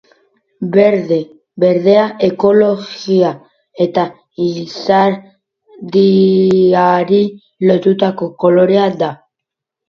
Berdea ekologia eta izadiari lotutako kolorea da.